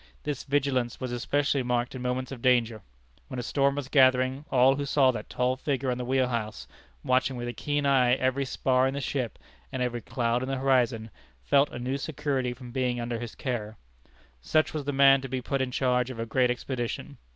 This vigilance was especially marked in moments of danger. When a storm was gathering, all who saw that tall figure on the wheel house, watching with a keen eye every spar in the ship and every cloud in the horizon, felt a new security from being under his care. Such was the man to be put in charge of a great expedition.